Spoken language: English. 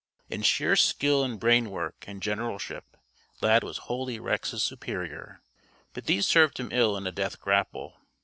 In sheer skill and brain work and generalship, Lad was wholly Rex's superior, but these served him ill in a death grapple.